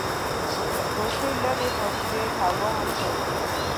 د کوټې لیري فاصلې هوا هم تودیږي.